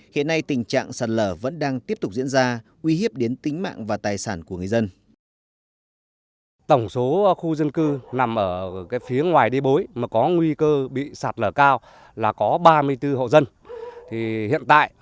hiện nay tình trạng sạt lở vẫn đang tiếp tục diễn ra uy hiếp đến tính mạng và tài sản của người dân